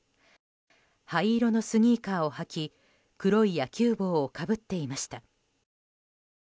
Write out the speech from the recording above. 灰色のスニーカーを履き黒い野球帽をかぶっていました。